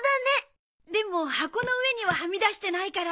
でも箱の上にははみ出してないから。